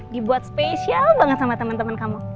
dibuat spesial banget sama temen temen kamu